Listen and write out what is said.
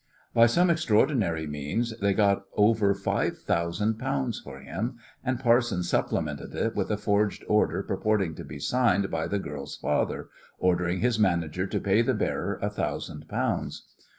By some extraordinary means they got over five thousand pounds for him, and Parsons supplemented it with a forged order purporting to be signed by the girl's father, ordering his manager to pay the bearer a thousand pounds.